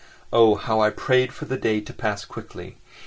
Oh, how I prayed for the day to pass quickly!